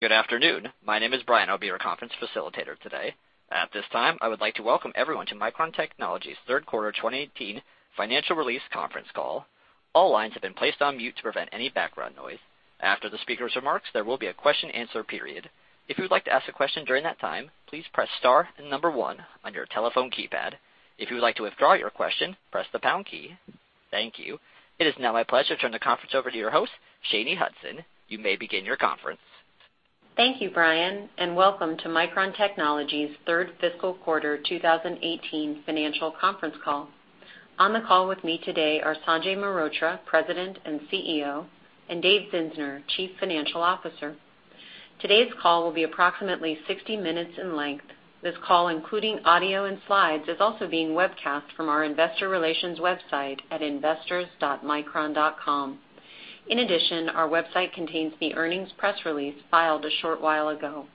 Good afternoon. My name is Brian. I'll be your conference facilitator today. At this time, I would like to welcome everyone to Micron Technology's third quarter 2018 financial release conference call. All lines have been placed on mute to prevent any background noise. After the speaker's remarks, there will be a question and answer period. If you would like to ask a question during that time, please press star and number one on your telephone keypad. If you would like to withdraw your question, press the pound key. Thank you. It is now my pleasure to turn the conference over to your host, Shanye Hudson. You may begin your conference. Thank you, Brian, and welcome to Micron Technology's third fiscal quarter 2018 financial conference call. On the call with me today are Sanjay Mehrotra, President and CEO, and David Zinsner, Chief Financial Officer. Today's call will be approximately 60 minutes in length. This call, including audio and slides, is also being webcast from our investor relations website at investors.micron.com. In addition, our website contains the earnings press release filed a short while ago.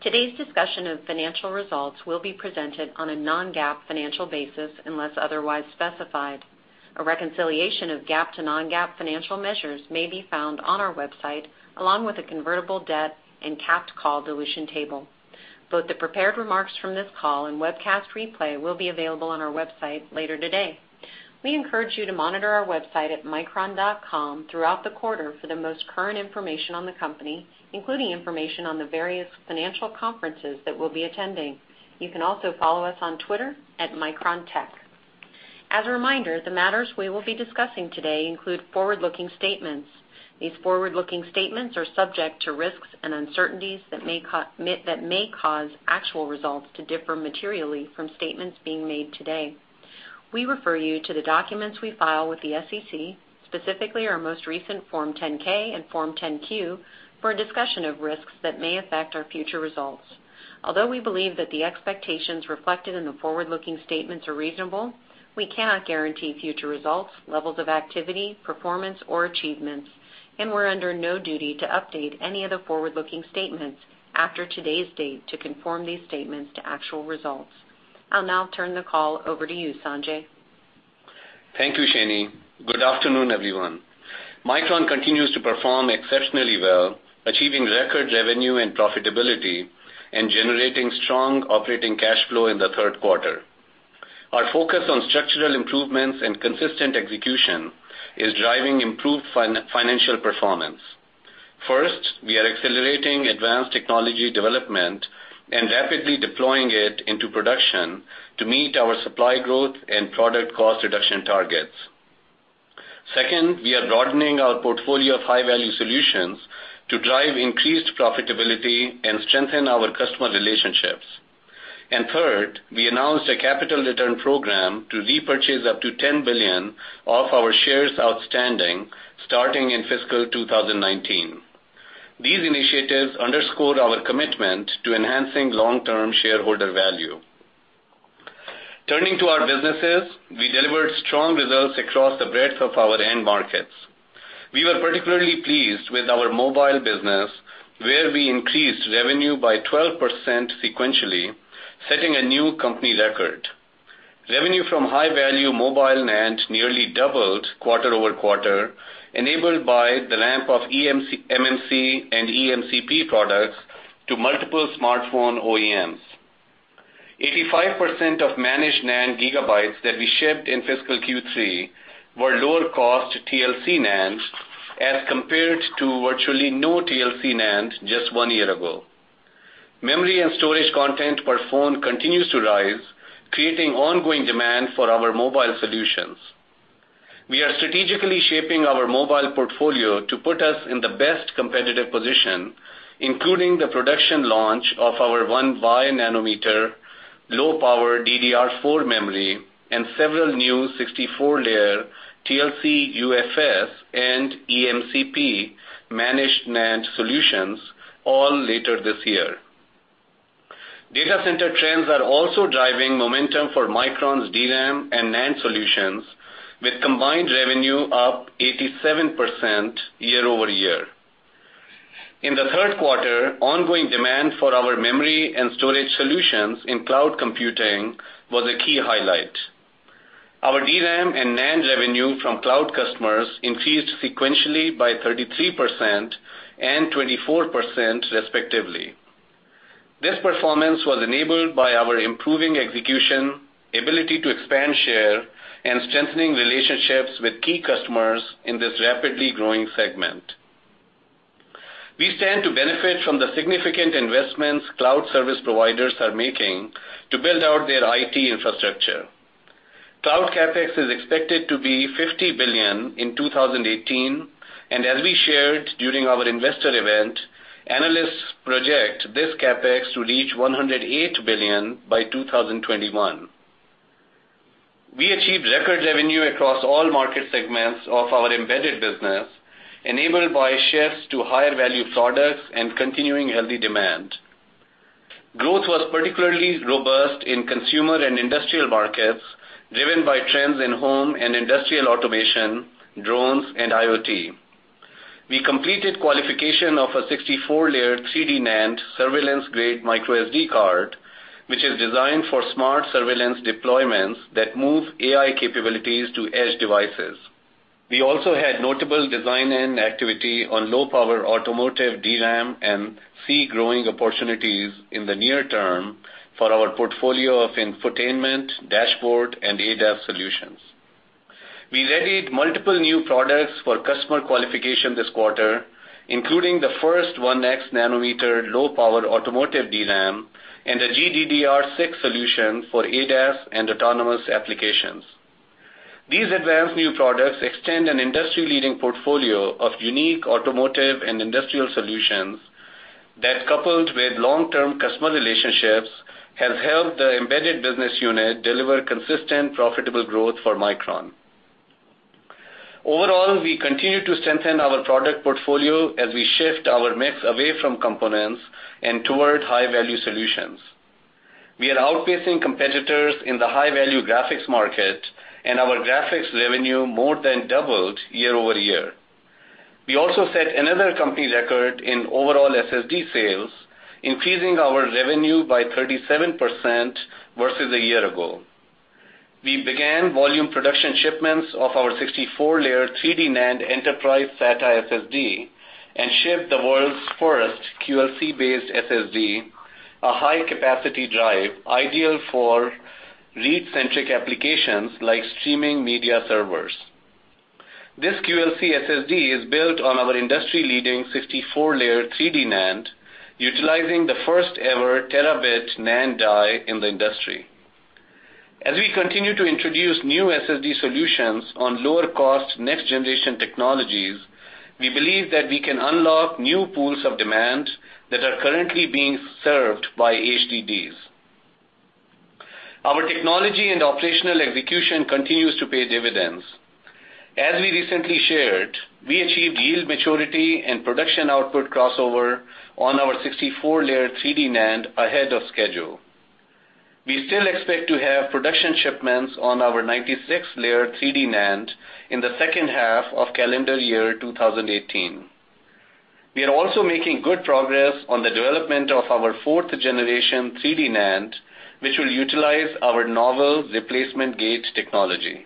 Today's discussion of financial results will be presented on a non-GAAP financial basis unless otherwise specified. A reconciliation of GAAP to non-GAAP financial measures may be found on our website, along with a convertible debt and capped call dilution table. Both the prepared remarks from this call and webcast replay will be available on our website later today. We encourage you to monitor our website at micron.com throughout the quarter for the most current information on the company, including information on the various financial conferences that we'll be attending. You can also follow us on Twitter @MicronTech. As a reminder, the matters we will be discussing today include forward-looking statements. These forward-looking statements are subject to risks and uncertainties that may cause actual results to differ materially from statements being made today. We refer you to the documents we file with the SEC, specifically our most recent Form 10-K and Form 10-Q, for a discussion of risks that may affect our future results. Although we believe that the expectations reflected in the forward-looking statements are reasonable, we cannot guarantee future results, levels of activity, performance, or achievements, and we're under no duty to update any of the forward-looking statements after today's date to conform these statements to actual results. I'll now turn the call over to you, Sanjay. Thank you, Shanye. Good afternoon, everyone. Micron continues to perform exceptionally well, achieving record revenue and profitability and generating strong operating cash flow in the third quarter. Our focus on structural improvements and consistent execution is driving improved financial performance. First, we are accelerating advanced technology development and rapidly deploying it into production to meet our supply growth and product cost reduction targets. Second, we are broadening our portfolio of high-value solutions to drive increased profitability and strengthen our customer relationships. Third, we announced a capital return program to repurchase up to $10 billion of our shares outstanding starting in fiscal 2019. These initiatives underscore our commitment to enhancing long-term shareholder value. Turning to our businesses, we delivered strong results across the breadth of our end markets. We were particularly pleased with our mobile business, where we increased revenue by 12% sequentially, setting a new company record. Revenue from high-value mobile NAND nearly doubled quarter-over-quarter, enabled by the ramp of eMMC and EMCP products to multiple smartphone OEMs. 85% of managed NAND gigabytes that we shipped in fiscal Q3 were lower cost TLC NAND as compared to virtually no TLC NAND just one year ago. Memory and storage content per phone continues to rise, creating ongoing demand for our mobile solutions. We are strategically shaping our mobile portfolio to put us in the best competitive position, including the production launch of our 1y nanometer low-power DDR4 memory and several new 64-layer TLC UFS and EMCP managed NAND solutions all later this year. Data center trends are also driving momentum for Micron's DRAM and NAND solutions with combined revenue up 87% year-over-year. In the third quarter, ongoing demand for our memory and storage solutions in cloud computing was a key highlight. Our DRAM and NAND revenue from cloud customers increased sequentially by 33% and 24%, respectively. This performance was enabled by our improving execution, ability to expand share, and strengthening relationships with key customers in this rapidly growing segment. We stand to benefit from the significant investments cloud service providers are making to build out their IT infrastructure. Cloud CapEx is expected to be $50 billion in 2018, as we shared during our investor event, analysts project this CapEx to reach $108 billion by 2021. We achieved record revenue across all market segments of our embedded business, enabled by shifts to higher-value products and continuing healthy demand. Growth was particularly robust in consumer and industrial markets, driven by trends in home and industrial automation, drones, and IoT. We completed qualification of a 64-layer 3D NAND surveillance-grade microSD card, which is designed for smart surveillance deployments that move AI capabilities to edge devices. We also had notable design activity on low-power automotive DRAM and see growing opportunities in the near term for our portfolio of infotainment, dashboard, and ADAS solutions. We readied multiple new products for customer qualification this quarter, including the first 1x nanometer low-power automotive DRAM and a GDDR6 solution for ADAS and autonomous applications. These advanced new products extend an industry-leading portfolio of unique automotive and industrial solutions that, coupled with long-term customer relationships, have helped the embedded business unit deliver consistent, profitable growth for Micron. Overall, we continue to strengthen our product portfolio as we shift our mix away from components and toward high-value solutions. We are outpacing competitors in the high-value graphics market, our graphics revenue more than doubled year-over-year. We also set another company record in overall SSD sales, increasing our revenue by 37% versus a year ago. We began volume production shipments of our 64-layer 3D NAND enterprise SATA SSD and shipped the world's first QLC-based SSD, a high-capacity drive ideal for read-centric applications like streaming media servers. This QLC SSD is built on our industry-leading 64-layer 3D NAND, utilizing the first-ever terabit NAND die in the industry. As we continue to introduce new SSD solutions on lower-cost, next-generation technologies, we believe that we can unlock new pools of demand that are currently being served by HDDs. Our technology and operational execution continues to pay dividends. As we recently shared, we achieved yield maturity and production output crossover on our 64-layer 3D NAND ahead of schedule. We still expect to have production shipments on our 96-layer 3D NAND in the second half of calendar year 2018. We are also making good progress on the development of our fourth generation 3D NAND, which will utilize our novel replacement gate technology.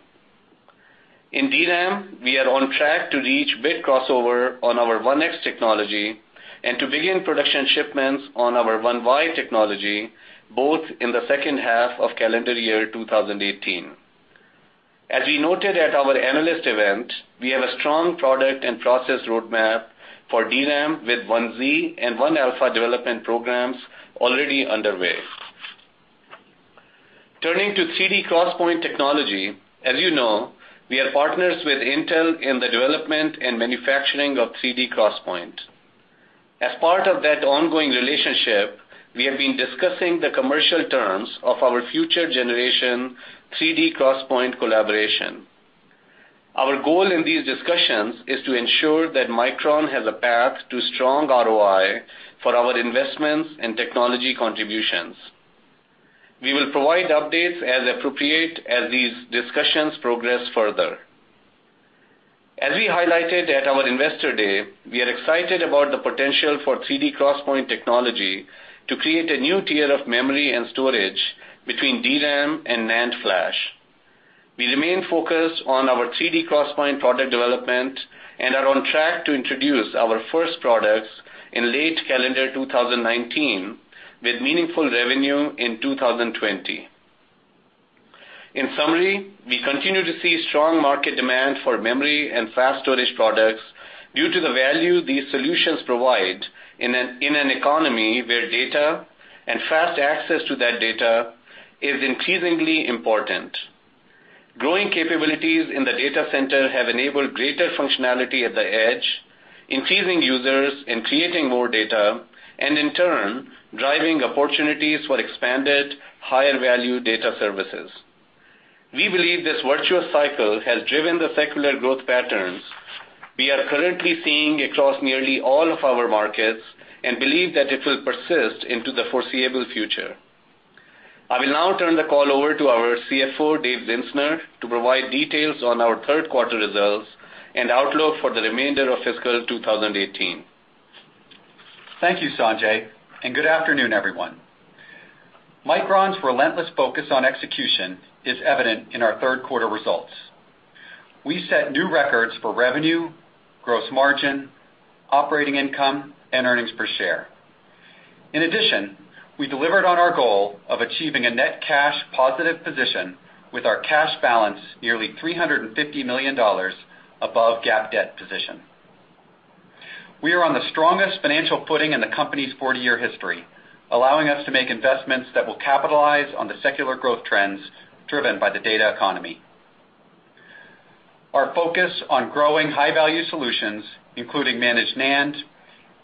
In DRAM, we are on track to reach bit crossover on our 1x technology and to begin production shipments on our 1y technology, both in the second half of calendar year 2018. As we noted at our analyst event, we have a strong product and process roadmap for DRAM with 1Z and 1-alpha development programs already underway. Turning to 3D XPoint technology. As you know, we are partners with Intel in the development and manufacturing of 3D XPoint. As part of that ongoing relationship, we have been discussing the commercial terms of our future generation 3D XPoint collaboration. Our goal in these discussions is to ensure that Micron has a path to strong ROI for our investments and technology contributions. We will provide updates as appropriate as these discussions progress further. As we highlighted at our Investor Day, we are excited about the potential for 3D XPoint technology to create a new tier of memory and storage between DRAM and NAND flash. We remain focused on our 3D XPoint product development and are on track to introduce our first products in late calendar 2019, with meaningful revenue in 2020. In summary, we continue to see strong market demand for memory and flash storage products due to the value these solutions provide in an economy where data and fast access to that data is increasingly important. Growing capabilities in the data center have enabled greater functionality at the edge, increasing users and creating more data, in turn, driving opportunities for expanded, higher-value data services. We believe this virtuous cycle has driven the secular growth patterns we are currently seeing across nearly all of our markets, believe that it will persist into the foreseeable future. I will now turn the call over to our CFO, Dave Zinsner, to provide details on our third quarter results and outlook for the remainder of fiscal 2018. Thank you, Sanjay, and good afternoon, everyone. Micron's relentless focus on execution is evident in our third quarter results. We set new records for revenue, gross margin, operating income, and earnings per share. In addition, we delivered on our goal of achieving a net cash positive position with our cash balance nearly $350 million above GAAP debt position. We are on the strongest financial footing in the company's 40-year history, allowing us to make investments that will capitalize on the secular growth trends driven by the data economy. Our focus on growing high-value solutions, including managed NAND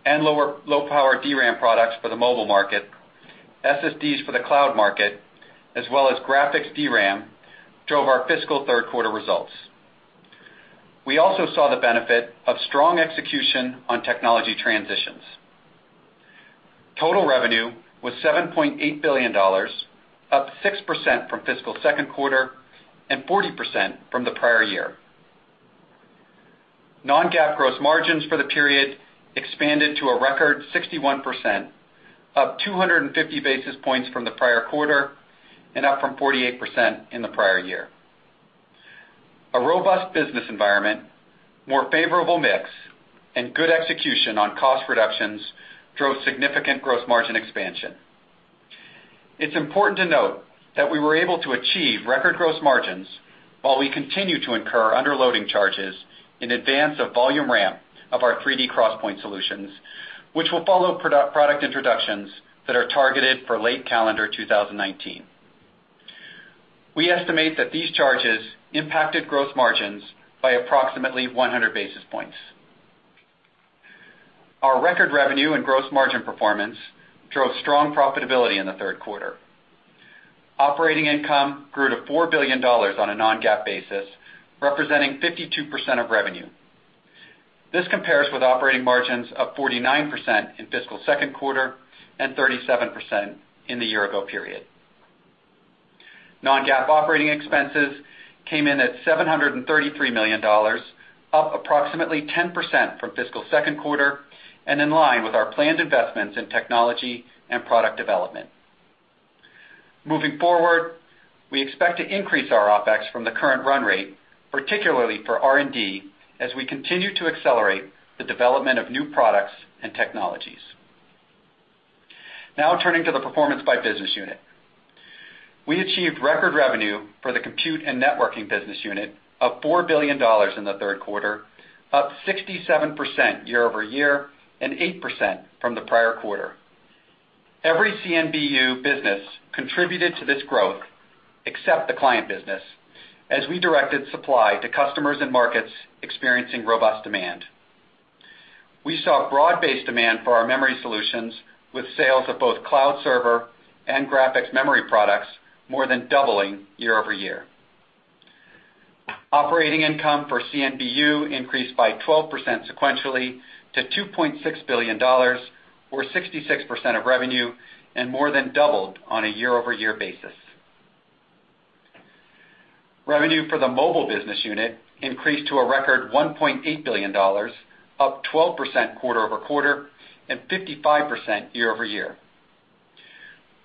and low-power DRAM products for the mobile market, SSDs for the cloud market, as well as graphics DRAM, drove our fiscal third quarter results. We also saw the benefit of strong execution on technology transitions. Total revenue was $7.8 billion, up 6% from fiscal second quarter and 40% from the prior year. Non-GAAP gross margins for the period expanded to a record 61%, up 250 basis points from the prior quarter, and up from 48% in the prior year. A robust business environment, more favorable mix, and good execution on cost reductions drove significant gross margin expansion. It's important to note that we were able to achieve record gross margins while we continue to incur underloading charges in advance of volume ramp of our 3D XPoint solutions, which will follow product introductions that are targeted for late calendar 2019. We estimate that these charges impacted gross margins by approximately 100 basis points. Our record revenue and gross margin performance drove strong profitability in the third quarter. Operating income grew to $4 billion on a non-GAAP basis, representing 52% of revenue. This compares with operating margins of 49% in fiscal second quarter and 37% in the year-ago period. Non-GAAP operating expenses came in at $733 million, up approximately 10% from fiscal second quarter and in line with our planned investments in technology and product development. Moving forward, we expect to increase our OpEx from the current run rate, particularly for R&D, as we continue to accelerate the development of new products and technologies. Turning to the performance by business unit. We achieved record revenue for the compute and networking business unit of $4 billion in the third quarter, up 67% year-over-year and 8% from the prior quarter. Every CNBU business contributed to this growth, except the client business, as we directed supply to customers and markets experiencing robust demand. We saw broad-based demand for our memory solutions with sales of both cloud server and graphics memory products more than doubling year-over-year. Operating income for CNBU increased by 12% sequentially to $2.6 billion, or 66% of revenue, and more than doubled on a year-over-year basis. Revenue for the mobile business unit increased to a record $1.8 billion, up 12% quarter-over-quarter and 55% year-over-year.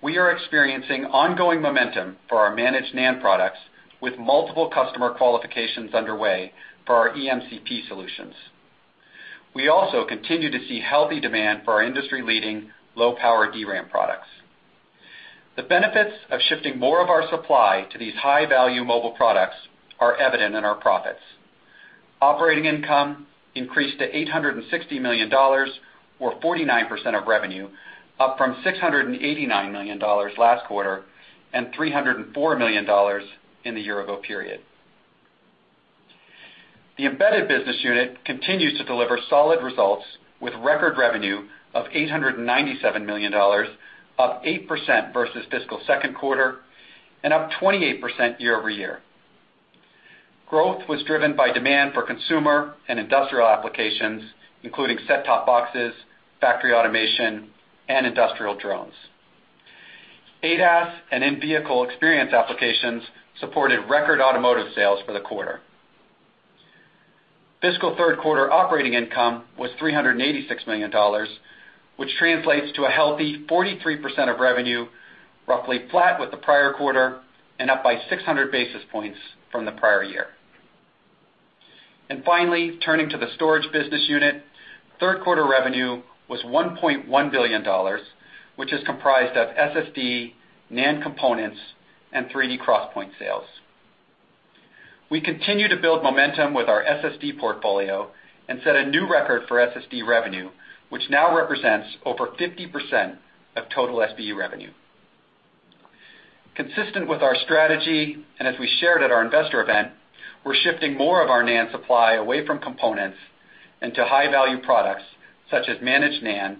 We are experiencing ongoing momentum for our managed NAND products with multiple customer qualifications underway for our EMCP solutions. We also continue to see healthy demand for our industry-leading low-power DRAM products. The benefits of shifting more of our supply to these high-value mobile products are evident in our profits. Operating income increased to $860 million, or 49% of revenue, up from $689 million last quarter and $304 million in the year-ago period. The embedded business unit continues to deliver solid results, with record revenue of $897 million, up 8% versus fiscal second quarter and up 28% year-over-year. Growth was driven by demand for consumer and industrial applications, including set-top boxes, factory automation, and industrial drones. ADAS and in-vehicle experience applications supported record automotive sales for the quarter. Fiscal third quarter operating income was $386 million, which translates to a healthy 43% of revenue, roughly flat with the prior quarter and up by 600 basis points from the prior year. Finally, turning to the storage business unit, third quarter revenue was $1.1 billion, which is comprised of SSD, NAND components, and 3D XPoint sales. We continue to build momentum with our SSD portfolio and set a new record for SSD revenue, which now represents over 50% of total SBU revenue. Consistent with our strategy, and as we shared at our investor event, we're shifting more of our NAND supply away from components into high-value products such as managed NAND,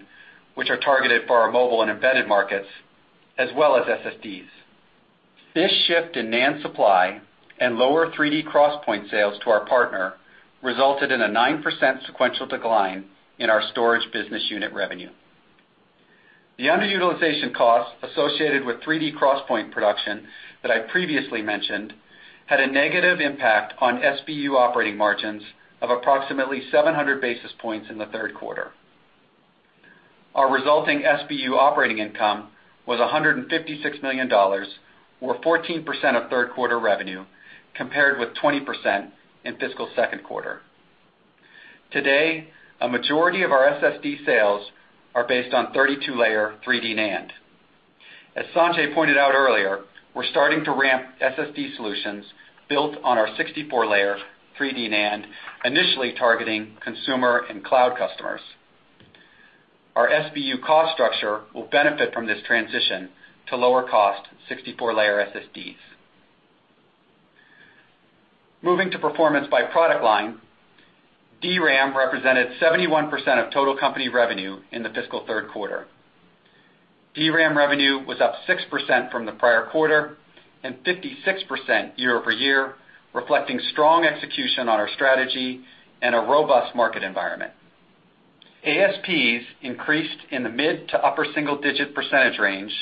which are targeted for our mobile and embedded markets, as well as SSDs. This shift in NAND supply and lower 3D XPoint sales to our partner resulted in a 9% sequential decline in our storage business unit revenue. The underutilization costs associated with 3D XPoint production that I previously mentioned had a negative impact on SBU operating margins of approximately 700 basis points in the third quarter. Our resulting SBU operating income was $156 million, or 14% of third quarter revenue, compared with 20% in fiscal second quarter. Today, a majority of our SSD sales are based on 32-layer 3D NAND. As Sanjay pointed out earlier, we're starting to ramp SSD solutions built on our 64-layer 3D NAND, initially targeting consumer and cloud customers. Our SBU cost structure will benefit from this transition to lower-cost 64-layer SSDs. Moving to performance by product line, DRAM represented 71% of total company revenue in the fiscal third quarter. DRAM revenue was up 6% from the prior quarter and 56% year-over-year, reflecting strong execution on our strategy and a robust market environment. ASPs increased in the mid to upper single-digit percentage range,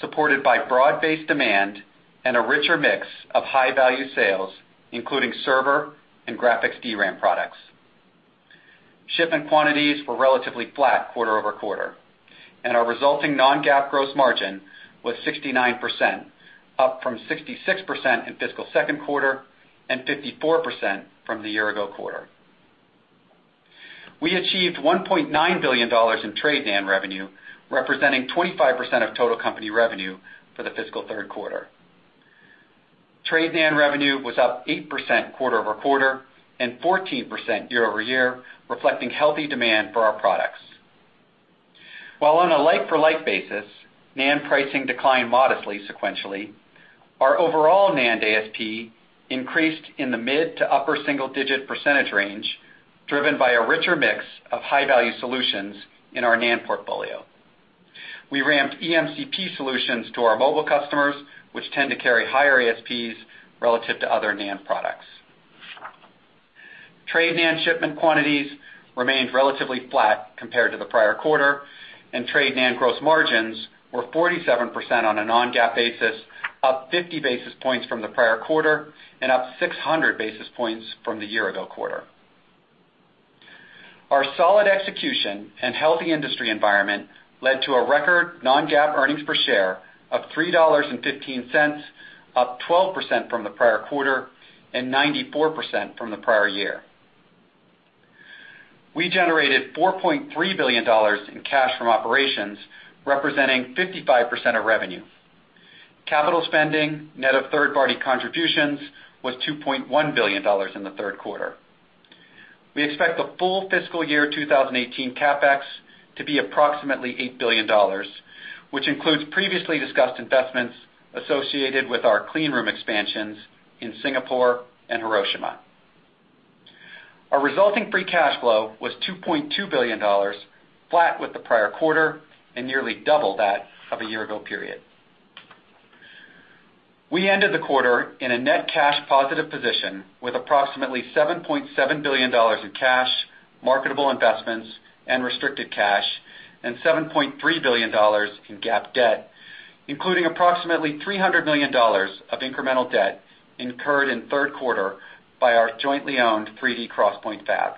supported by broad-based demand and a richer mix of high-value sales, including server and graphics DRAM products. Shipment quantities were relatively flat quarter-over-quarter, and our resulting non-GAAP gross margin was 69%, up from 66% in fiscal second quarter and 54% from the year-ago quarter. We achieved $1.9 billion in trade NAND revenue, representing 25% of total company revenue for the fiscal third quarter. Trade NAND revenue was up 8% quarter-over-quarter and 14% year-over-year, reflecting healthy demand for our products. While on a like-for-like basis, NAND pricing declined modestly sequentially, our overall NAND ASP increased in the mid to upper single-digit percentage range, driven by a richer mix of high-value solutions in our NAND portfolio. We ramped EMCP solutions to our mobile customers, which tend to carry higher ASPs relative to other NAND products. Trade NAND shipment quantities remained relatively flat compared to the prior quarter, and trade NAND gross margins were 47% on a non-GAAP basis, up 50 basis points from the prior quarter and up 600 basis points from the year-ago quarter. Our solid execution and healthy industry environment led to a record non-GAAP earnings per share of $3.15, up 12% from the prior quarter and 94% from the prior year. We generated $4.3 billion in cash from operations, representing 55% of revenue. Capital spending, net of third-party contributions, was $2.1 billion in the third quarter. We expect the full fiscal year 2018 CapEx to be approximately $8 billion, which includes previously discussed investments associated with our clean room expansions in Singapore and Hiroshima. Our resulting free cash flow was $2.2 billion, flat with the prior quarter and nearly double that of a year-ago period. We ended the quarter in a net cash positive position with approximately $7.7 billion in cash, marketable investments and restricted cash and $7.3 billion in GAAP debt, including approximately $300 million of incremental debt incurred in third quarter by our jointly owned 3D XPoint fab.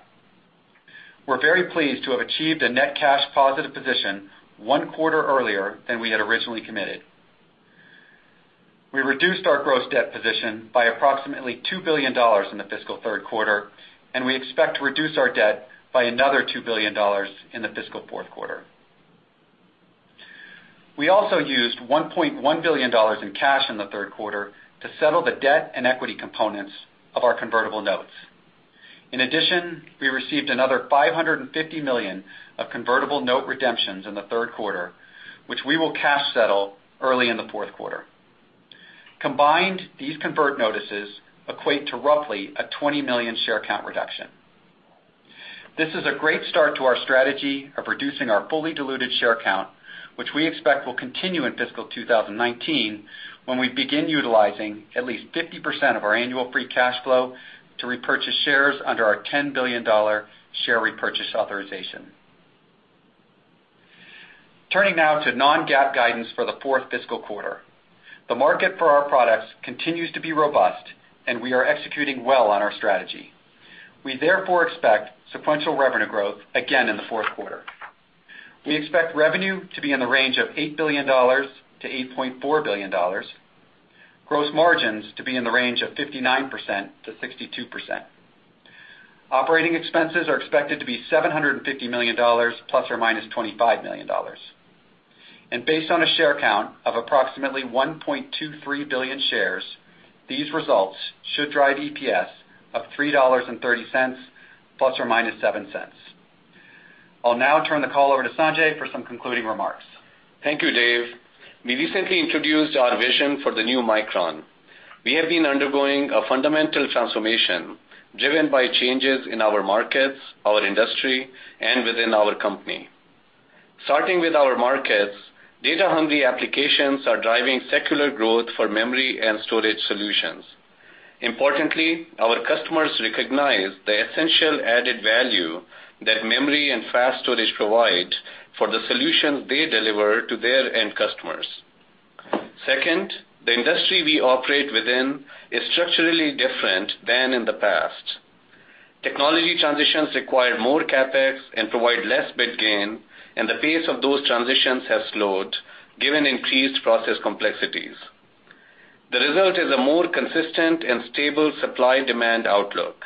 We're very pleased to have achieved a net cash positive position one quarter earlier than we had originally committed. We reduced our gross debt position by approximately $2 billion in the fiscal third quarter, and we expect to reduce our debt by another $2 billion in the fiscal fourth quarter. We also used $1.1 billion in cash in the third quarter to settle the debt and equity components of our convertible notes. In addition, we received another $550 million of convertible note redemptions in the third quarter, which we will cash settle early in the fourth quarter. Combined, these convert notices equate to roughly a 20 million share count reduction. This is a great start to our strategy of reducing our fully diluted share count, which we expect will continue in fiscal 2019 when we begin utilizing at least 50% of our annual free cash flow to repurchase shares under our $10 billion share repurchase authorization. Turning now to non-GAAP guidance for the fourth fiscal quarter. The market for our products continues to be robust, and we are executing well on our strategy. We therefore expect sequential revenue growth again in the fourth quarter. We expect revenue to be in the range of $8 billion-$8.4 billion, gross margins to be in the range of 59%-62%. Operating expenses are expected to be $750 million ± $25 million. Based on a share count of approximately 1.23 billion shares, these results should drive EPS of $3.30 ± $0.07. I'll now turn the call over to Sanjay for some concluding remarks. Thank you, Dave. We recently introduced our vision for the new Micron. We have been undergoing a fundamental transformation driven by changes in our markets, our industry, and within our company. Starting with our markets, data-hungry applications are driving secular growth for memory and storage solutions. Importantly, our customers recognize the essential added value that memory and fast storage provide for the solutions they deliver to their end customers. Second, the industry we operate within is structurally different than in the past. Technology transitions require more CapEx and provide less bit gain, and the pace of those transitions has slowed given increased process complexities. The result is a more consistent and stable supply-demand outlook.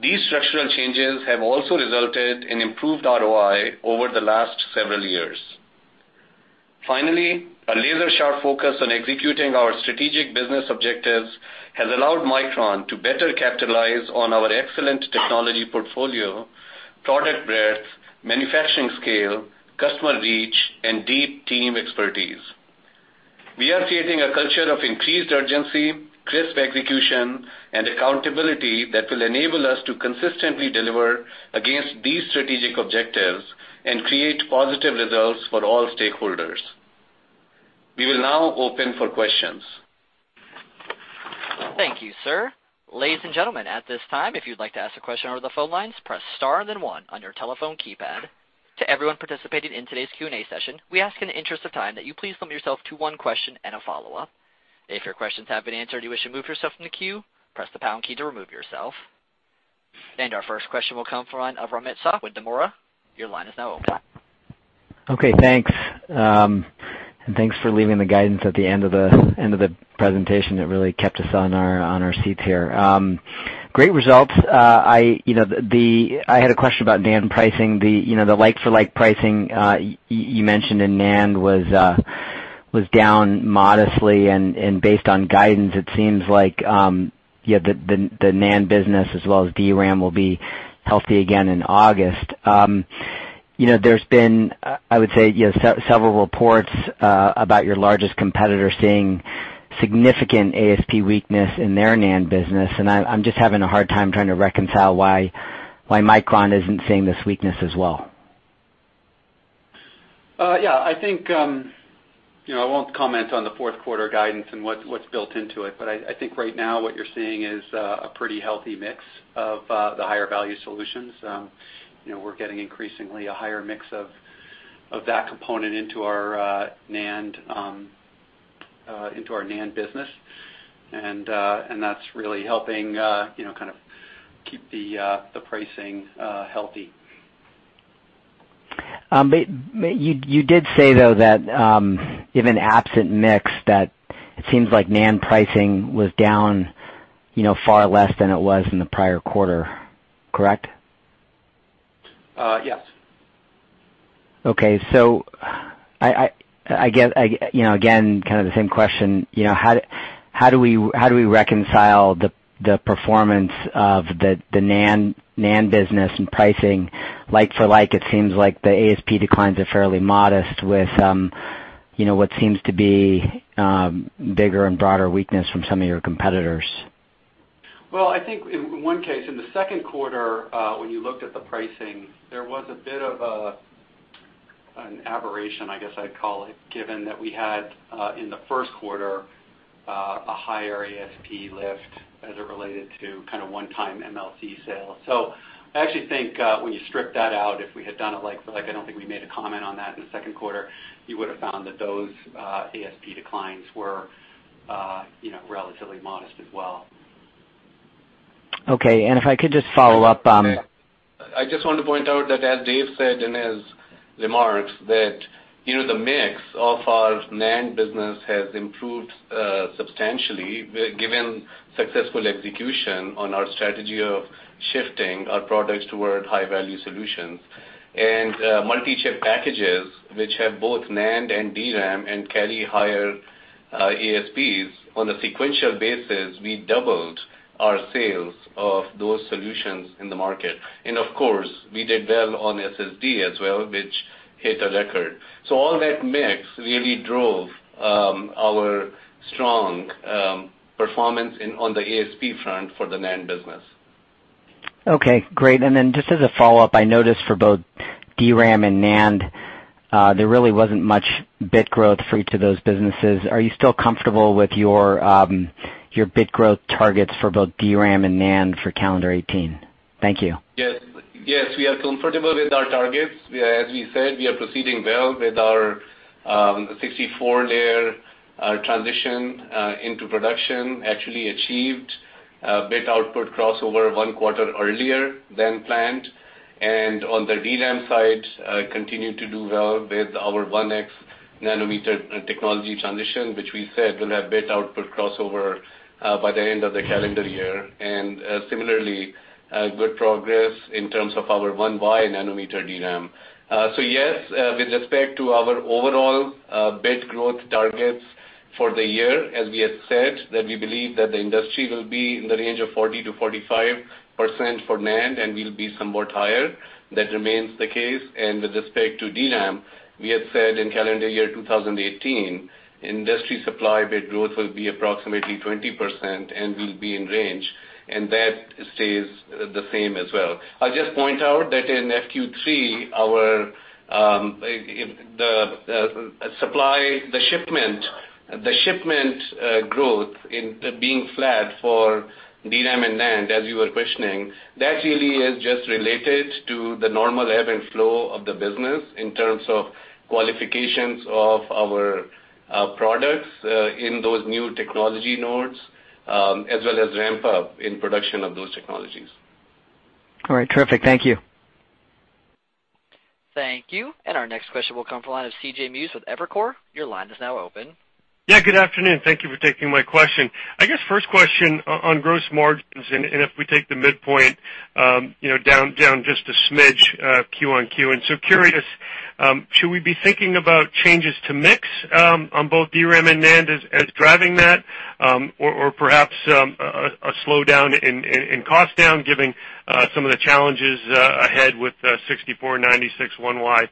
These structural changes have also resulted in improved ROI over the last several years. Finally, a laser-sharp focus on executing our strategic business objectives has allowed Micron to better capitalize on our excellent technology portfolio, product breadth, manufacturing scale, customer reach, and deep team expertise. We are creating a culture of increased urgency, crisp execution, and accountability that will enable us to consistently deliver against these strategic objectives and create positive results for all stakeholders. We will now open for questions. Thank you, sir. Ladies and gentlemen, at this time, if you'd like to ask a question over the phone lines, press star and then one on your telephone keypad. To everyone participating in today's Q&A session, we ask in the interest of time that you please limit yourself to one question and a follow-up. If your questions have been answered, you wish to move yourself from the queue, press the pound key to remove yourself. Our first question will come from Romit Shah with Nomura. Your line is now open. Okay, thanks. Thanks for leaving the guidance at the end of the presentation. It really kept us on our seats here. Great results. I had a question about NAND pricing, the like-for-like pricing, you mentioned in NAND was down modestly, and based on guidance, it seems like the NAND business as well as DRAM will be healthy again in August. There's been, I would say, several reports about your largest competitor seeing significant ASP weakness in their NAND business, and I'm just having a hard time trying to reconcile why Micron isn't seeing this weakness as well. Yeah, I won't comment on the fourth quarter guidance and what's built into it, but I think right now what you're seeing is a pretty healthy mix of the higher value solutions. We're getting increasingly a higher mix of that component into our NAND business, and that's really helping keep the pricing healthy. You did say, though, that given absent mix, that it seems like NAND pricing was down far less than it was in the prior quarter, correct? Yes. Okay. Again, kind of the same question, how do we reconcile the performance of the NAND business and pricing like for like? It seems like the ASP declines are fairly modest with what seems to be bigger and broader weakness from some of your competitors. Well, I think in one case, in the second quarter, when you looked at the pricing, there was a bit of an aberration, I guess I'd call it, given that we had, in the first quarter, a higher ASP lift as it related to kind of one-time MLC sales. I actually think when you strip that out, if we had done it like for like, I don't think we made a comment on that in the second quarter, you would have found that those ASP declines were relatively modest as well. Okay. If I could just follow up. I just want to point out that, as Dave said in his remarks, the mix of our NAND business has improved substantially given successful execution on our strategy of shifting our products toward high-value solutions. Multi-chip packages, which have both NAND and DRAM and carry higher ASPs on a sequential basis, we doubled our sales of those solutions in the market. Of course, we did well on SSD as well, which hit a record. All that mix really drove our strong performance on the ASP front for the NAND business. Okay, great. Just as a follow-up, I noticed for both DRAM and NAND, there really wasn't much bit growth for each of those businesses. Are you still comfortable with your bit growth targets for both DRAM and NAND for calendar 2018? Thank you. Yes. We are comfortable with our targets. As we said, we are proceeding well with our 64-layer transition into production, actually achieved bit output crossover one quarter earlier than planned, on the DRAM side, continue to do well with our 1x nanometer technology transition, which we said will have bit output crossover by the end of the calendar year. Similarly, good progress in terms of our 1y nanometer DRAM. Yes, with respect to our overall bit growth targets for the year, as we have said that we believe that the industry will be in the range of 40%-45% for NAND, and we'll be somewhat higher. That remains the case. With respect to DRAM, we have said in calendar year 2018, industry supply bit growth will be approximately 20%, and we'll be in range, and that stays the same as well. I'll just point out that in FQ3, the shipment growth being flat for DRAM and NAND, as you were questioning, that really is just related to the normal ebb and flow of the business in terms of qualifications of our products in those new technology nodes as well as ramp-up in production of those technologies. All right, terrific. Thank you. Thank you. Our next question will come from the line of C.J. Muse with Evercore. Your line is now open. Yeah, good afternoon. Thank you for taking my question. I guess first question on gross margins, if we take the midpoint down just a smidge quarter-over-quarter, so curious, should we be thinking about changes to mix on both DRAM and NAND as driving that? Or perhaps a slowdown in cost down, given some of the challenges ahead with 64, 96, 1Y,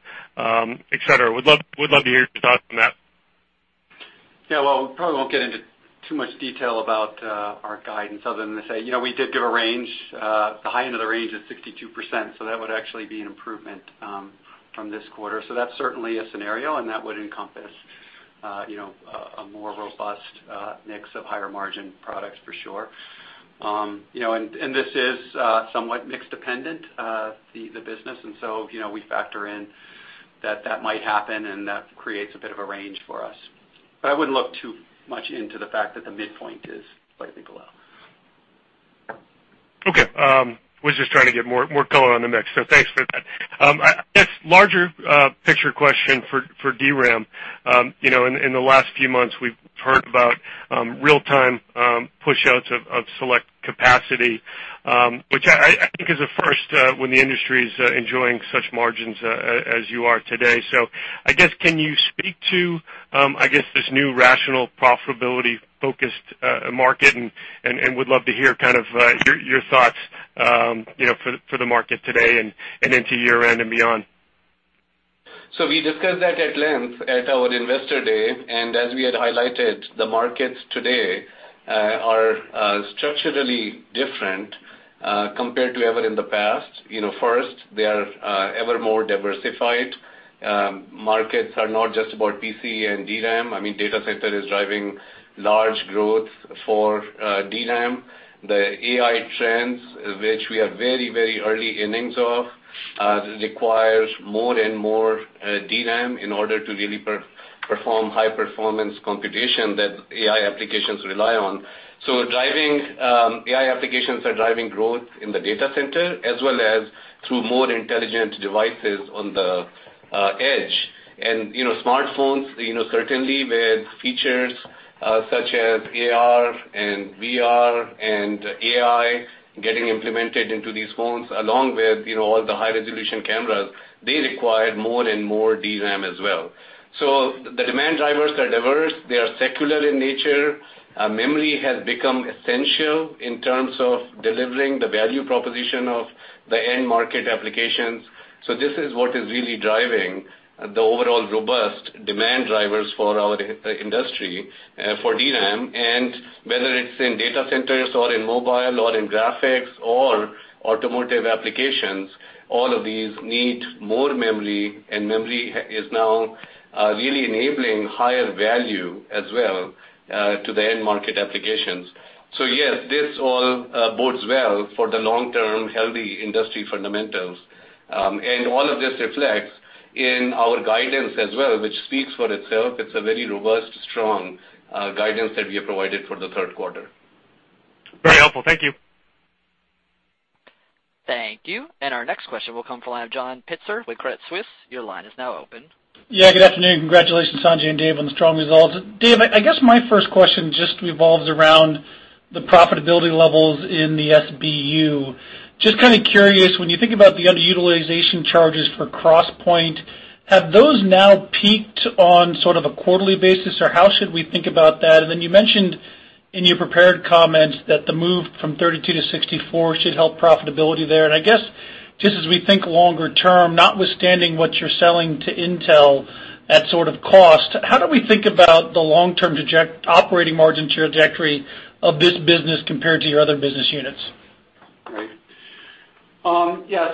et cetera. Would love to hear your thoughts on that. Well, we probably won't get into too much detail about our guidance other than to say we did give a range. The high end of the range is 62%, so that would actually be an improvement from this quarter. That's certainly a scenario, and that would encompass a more robust mix of higher margin products for sure. This is somewhat mix dependent, the business, and so we factor in that that might happen, and that creates a bit of a range for us. I wouldn't look too much into the fact that the midpoint is quite a bit below. Okay. Was just trying to get more color on the mix, thanks for that. I guess larger picture question for DRAM. In the last few months, we've heard about real-time pushouts of select capacity, which I think is a first when the industry is enjoying such margins as you are today. I guess, can you speak to this new rational profitability-focused market, and would love to hear kind of your thoughts for the market today and into year-end and beyond. We discussed that at length at our Investor Day, as we had highlighted, the markets today are structurally different compared to ever in the past. First, they are ever more diversified. Markets are not just about PC and DRAM. Data center is driving large growth for DRAM. The AI trends, which we are very early innings of, requires more and more DRAM in order to really perform high performance computation that AI applications rely on. AI applications are driving growth in the data center as well as through more intelligent devices on the edge. Smartphones, certainly with features such as AR and VR and AI getting implemented into these phones, along with all the high-resolution cameras, they require more and more DRAM as well. The demand drivers are diverse. They are secular in nature. Memory has become essential in terms of delivering the value proposition of the end market applications. This is what is really driving the overall robust demand drivers for our industry for DRAM. Whether it's in data centers or in mobile or in graphics or automotive applications, all of these need more memory, and memory is now really enabling higher value as well to the end market applications. Yes, this all bodes well for the long-term healthy industry fundamentals. All of this reflects in our guidance as well, which speaks for itself. It's a very robust, strong guidance that we have provided for the third quarter. Very helpful. Thank you. Thank you. Our next question will come from John Pitzer with Credit Suisse. Your line is now open. Yeah, good afternoon. Congratulations, Sanjay and Dave, on the strong results. Dave, I guess my first question just revolves around the profitability levels in the SBU. Just kind of curious, when you think about the underutilization charges for XPoint, have those now peaked on sort of a quarterly basis, or how should we think about that? You mentioned in your prepared comments that the move from 32-layer to 64-layer should help profitability there. I guess, just as we think longer term, notwithstanding what you're selling to Intel at sort of cost, how do we think about the long-term operating margin trajectory of this business compared to your other business units? Right. Yeah,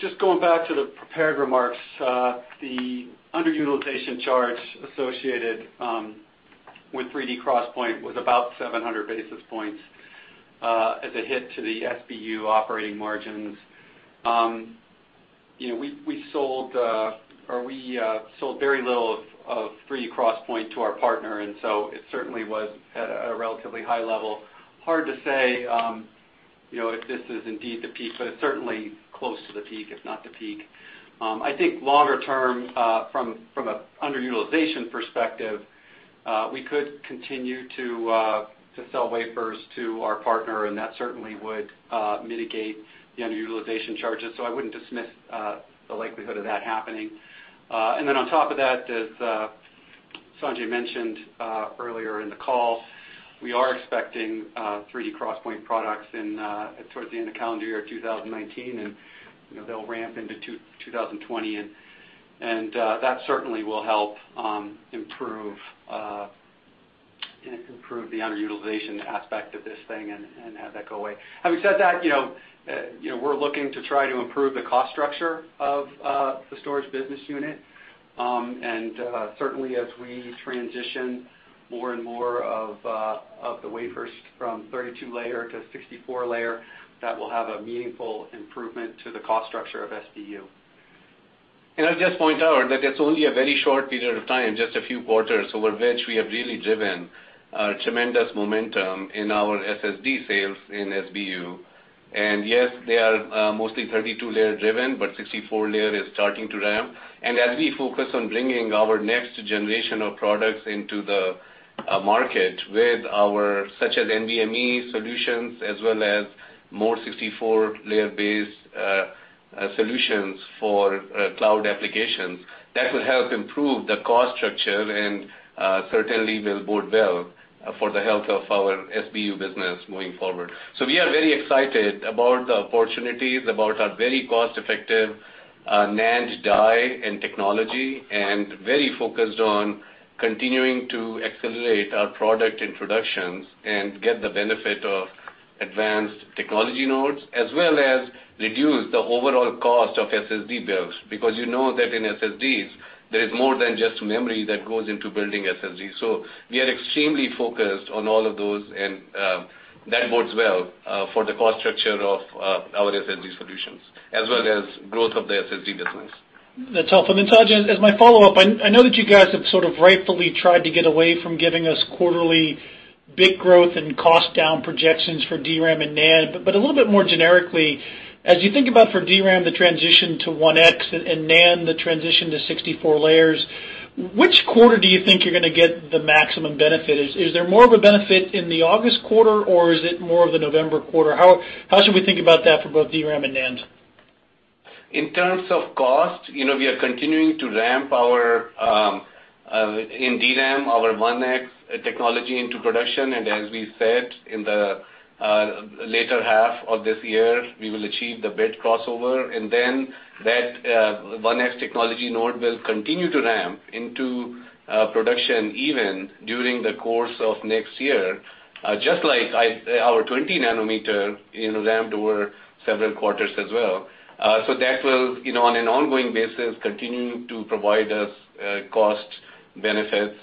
just going back to the prepared remarks, the underutilization charge associated with 3D XPoint was about 700 basis points as a hit to the SBU operating margins. We sold very little of 3D XPoint to our partner, it certainly was at a relatively high level. Hard to say if this is indeed the peak, but it's certainly close to the peak, if not the peak. I think longer term, from an underutilization perspective, we could continue to sell wafers to our partner, that certainly would mitigate the underutilization charges. I wouldn't dismiss the likelihood of that happening. On top of that, as Sanjay Mehrotra mentioned earlier in the call, we are expecting 3D XPoint products towards the end of calendar year 2019, they'll ramp into 2020, that certainly will help improve the underutilization aspect of this thing and have that go away. Having said that, we're looking to try to improve the cost structure of the storage business unit, certainly as we transition more and more of the wafers from 32-layer to 64-layer, that will have a meaningful improvement to the cost structure of SBU. I'll just point out that it's only a very short period of time, just a few quarters, over which we have really driven tremendous momentum in our SSD sales in SBU. Yes, they are mostly 32-layer driven, but 64-layer is starting to ramp. As we focus on bringing our next generation of products into the market with our, such as NVMe solutions, as well as more 64-layer-based solutions for cloud applications, that will help improve the cost structure and certainly will bode well for the health of our SBU business moving forward. We are very excited about the opportunities, about our very cost-effective NAND die and technology, very focused on continuing to accelerate our product introductions and get the benefit of advanced technology nodes, as well as reduce the overall cost of SSD builds. You know that in SSDs there is more than just memory that goes into building SSD. We are extremely focused on all of those, that bodes well for the cost structure of our SSD solutions, as well as growth of the SSD business. That's helpful. Sanjay, as my follow-up, I know that you guys have rightfully tried to get away from giving us quarterly bit growth and cost down projections for DRAM and NAND. A little bit more generically, as you think about for DRAM, the transition to 1x and NAND, the transition to 64-layer, which quarter do you think you're going to get the maximum benefit? Is there more of a benefit in the August quarter, or is it more of the November quarter? How should we think about that for both DRAM and NAND? In terms of cost, we are continuing to ramp in DRAM, our 1x technology into production. As we said, in the later half of this year, we will achieve the bit crossover, then that 1x technology node will continue to ramp into production even during the course of next year. Just like our 20 nanometer ramped over several quarters as well. That will, on an ongoing basis, continue to provide us cost benefits.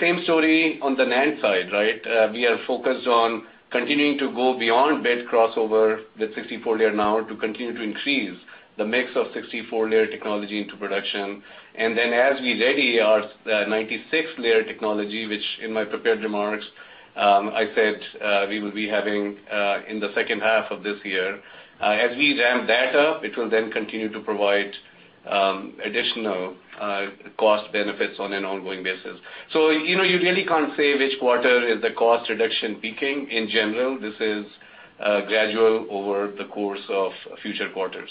Same story on the NAND side. We are focused on continuing to go beyond bit crossover with 64-layer now to continue to increase the mix of 64-layer technology into production. As we ready our 96-layer technology, which in my prepared remarks, I said we will be having in the second half of this year. As we ramp that up, it will then continue to provide additional cost benefits on an ongoing basis. You really can't say which quarter is the cost reduction peaking. In general, this is gradual over the course of future quarters.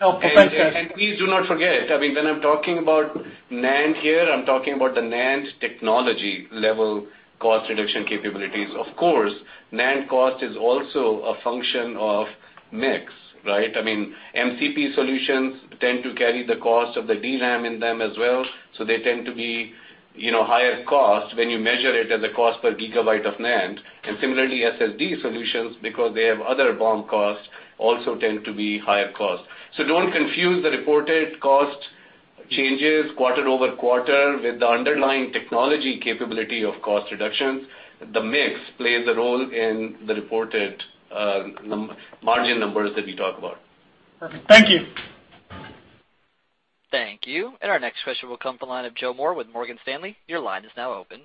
Okay, thanks, Sanjay. Please do not forget, when I'm talking about NAND here, I'm talking about the NAND technology level cost reduction capabilities. Of course, NAND cost is also a function of mix. MCP solutions tend to carry the cost of the DRAM in them as well, so they tend to be higher cost when you measure it as a cost per gigabyte of NAND. Similarly, SSD solutions, because they have other BOM costs, also tend to be higher cost. Don't confuse the reported cost changes quarter-over-quarter with the underlying technology capability of cost reductions. The mix plays a role in the reported margin numbers that we talk about. Perfect. Thank you. Thank you. Our next question will come from the line of Joseph Moore with Morgan Stanley. Your line is now open.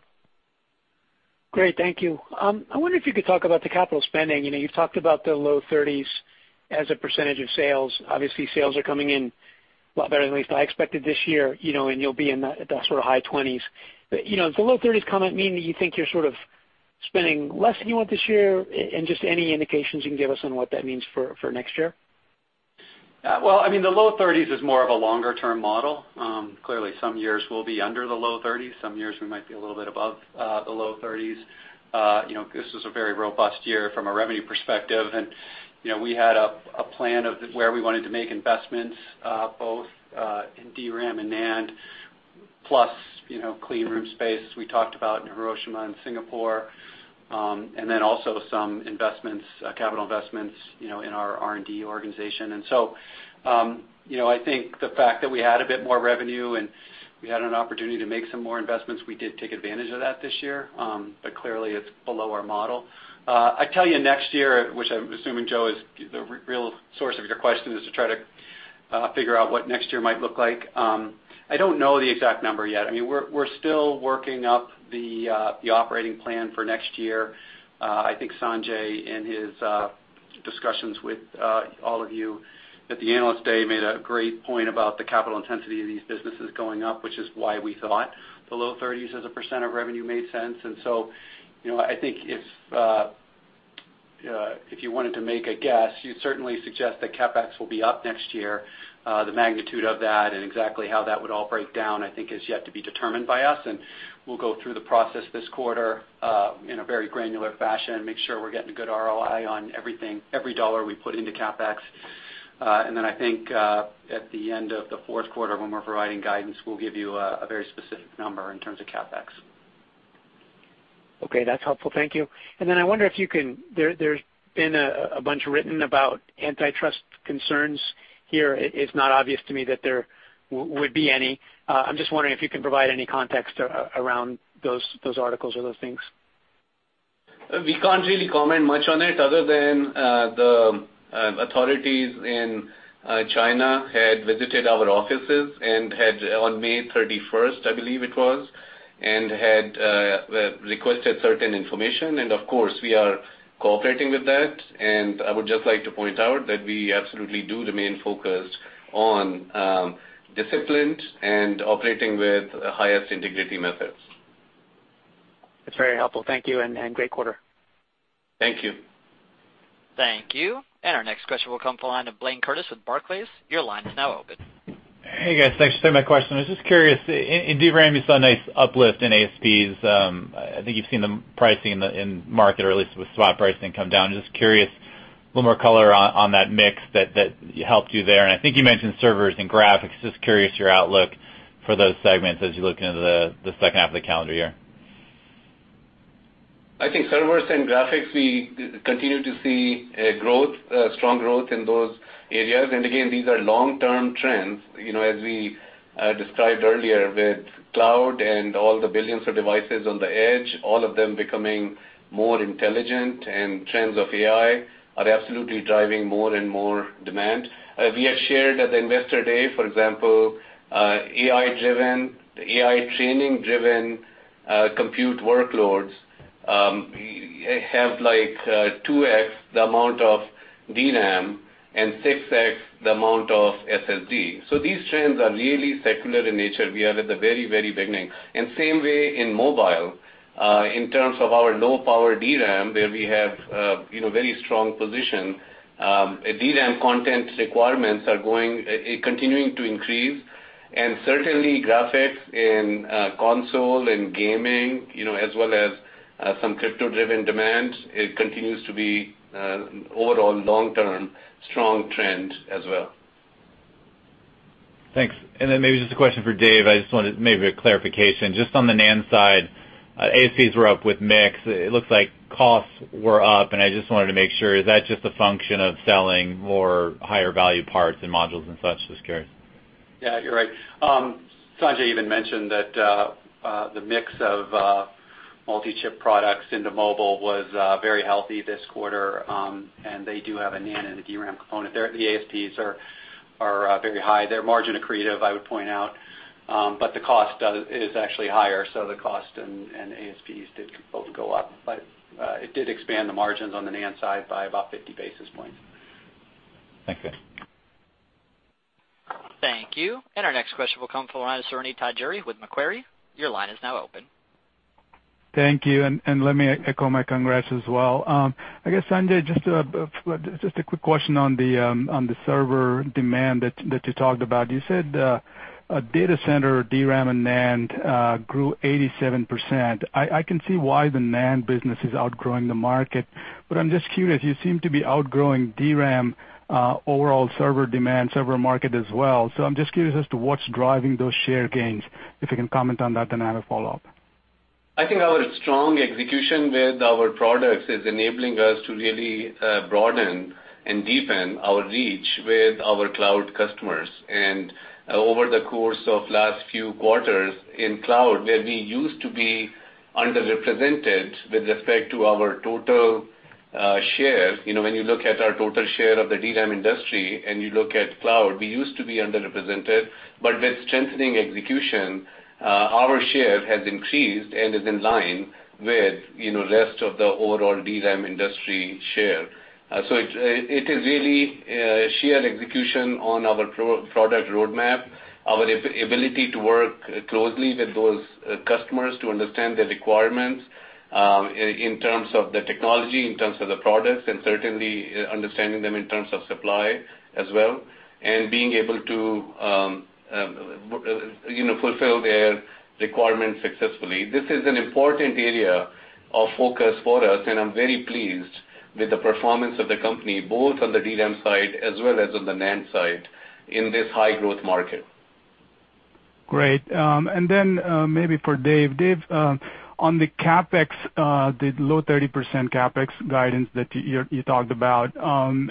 Great. Thank you. I wonder if you could talk about the capital spending. You've talked about the low 30s as a percentage of sales. Obviously, sales are coming in a lot better than at least I expected this year, and you'll be in that sort of high 20s. Does the low 30s comment mean that you think you're sort of spending less than you want this year? Just any indications you can give us on what that means for next year. Well, the low 30s is more of a longer-term model. Clearly, some years we'll be under the low 30s. Some years we might be a little bit above the low 30s. This was a very robust year from a revenue perspective, and we had a plan of where we wanted to make investments, both in DRAM and NAND, plus clean room space, as we talked about, in Hiroshima and Singapore. Then also some capital investments in our R&D organization. I think the fact that we had a bit more revenue and we had an opportunity to make some more investments, we did take advantage of that this year. Clearly, it's below our model. I tell you next year, which I'm assuming, Joe, is the real source of your question, is to try to figure out what next year might look like. I don't know the exact number yet. We're still working up the operating plan for next year. I think Sanjay, in his discussions with all of you at the Analyst Day, made a great point about the capital intensity of these businesses going up, which is why we thought the low 30s as a % of revenue made sense. I think if you wanted to make a guess, you'd certainly suggest that CapEx will be up next year. The magnitude of that and exactly how that would all break down, I think, is yet to be determined by us, and we'll go through the process this quarter in a very granular fashion and make sure we're getting a good ROI on every dollar we put into CapEx. Then I think, at the end of the fourth quarter when we're providing guidance, we'll give you a very specific number in terms of CapEx. Okay. That's helpful. Thank you. I wonder if you can there's been a bunch written about antitrust concerns here. It's not obvious to me that there would be any. I'm just wondering if you can provide any context around those articles or those things. We can't really comment much on it other than the authorities in China had visited our offices on May 31st, I believe it was, and had requested certain information. Of course, we are cooperating with that. I would just like to point out that we absolutely do remain focused on discipline and operating with highest integrity methods. That's very helpful. Thank you. Great quarter. Thank you. Thank you. Our next question will come from the line of Blayne Curtis with Barclays. Your line is now open. Hey, guys. Thanks for taking my question. I was just curious. In DRAM, you saw a nice uplift in ASPs. I think you've seen the pricing in the market, or at least with swap pricing, come down. Just curious, a little more color on that mix that helped you there. I think you mentioned servers and graphics. Just curious your outlook for those segments as you look into the second half of the calendar year. I think servers and graphics, we continue to see strong growth in those areas. Again, these are long-term trends. As we described earlier, with cloud and all the billions of devices on the edge, all of them becoming more intelligent, and trends of AI are absolutely driving more and more demand. We had shared at the investor day, for example, AI training-driven compute workloads have 2X the amount of DRAM and 6X the amount of SSD. These trends are really secular in nature. We are at the very beginning. Same way in mobile, in terms of our low-power DRAM, where we have a very strong position. DRAM content requirements are continuing to increase, and certainly graphics in console and gaming, as well as some crypto-driven demand, it continues to be overall long-term strong trend as well. Thanks. Then maybe just a question for Dave. I just wanted maybe a clarification. Just on the NAND side, ASPs were up with mix. It looks like costs were up, and I just wanted to make sure, is that just a function of selling more higher value parts and modules and such? Just curious. Yeah, you're right. Sanjay even mentioned that the mix of multi-chip products into mobile was very healthy this quarter, and they do have a NAND and a DRAM component there. The ASPs are very high. They're margin accretive, I would point out, but the cost is actually higher, so the cost and ASPs did both go up. It did expand the margins on the NAND side by about 50 basis points. Thank you. Thank you. Our next question will come from the line of Srini Pajjuri with Macquarie. Your line is now open. Thank you, let me echo my congrats as well. I guess, Sanjay, just a quick question on the server demand that you talked about. You said data center DRAM and NAND grew 87%. I can see why the NAND business is outgrowing the market, I'm just curious, you seem to be outgrowing DRAM overall server demand, server market as well. I'm just curious as to what's driving those share gains. If you can comment on that, I have a follow-up. I think our strong execution with our products is enabling us to really broaden and deepen our reach with our cloud customers. Over the course of last few quarters in cloud, where we used to be underrepresented with respect to our total share. When you look at our total share of the DRAM industry and you look at cloud, we used to be underrepresented, with strengthening execution, our share has increased and is in line with rest of the overall DRAM industry share. It is really sheer execution on our product roadmap, our ability to work closely with those customers to understand their requirements, in terms of the technology, in terms of the products, and certainly understanding them in terms of supply as well, and being able to fulfill their requirements successfully. This is an important area of focus for us, and I'm very pleased with the performance of the company, both on the DRAM side as well as on the NAND side in this high-growth market. Great. Maybe for Dave. Dave, on the CapEx, the low 30% CapEx guidance that you talked about.